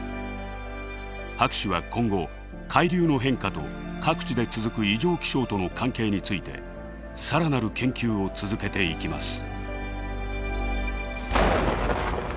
博士は今後海流の変化と各地で続く異常気象との関係について更なる研究を続けていきます。